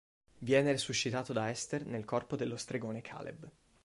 Viene resuscitato da Esther nel corpo dello stregone Kaleb.